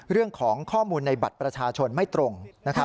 เรื่องของข้อมูลในบัตรประชาชนไม่ตรง